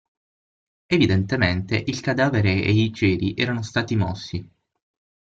Evidentemente, il cadavere e i ceri eran stati mossi.